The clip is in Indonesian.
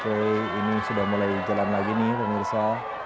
oke ini sudah mulai jalan lagi nih pemirsa